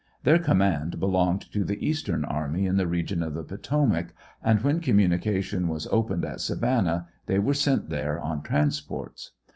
Their command belonged to the Eastern Army in the region of the Potomac, and when communication was opened at Savannah they were sent there on transports.